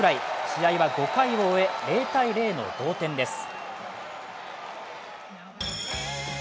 試合は５回を終え０−０の同点です。